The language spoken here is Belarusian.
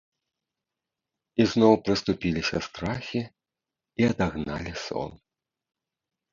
І зноў прыступіліся страхі і адагналі сон.